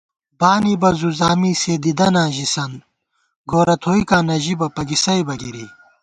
بانِبہ زوزامی ، سے دیدَناں ژِسنت ✿ گورہ تھوئیکاں نہ ژِبہ ، پگِسَئیبہ گِری